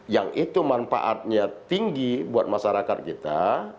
yang itu manfaatnya tinggi buat masyarakat kita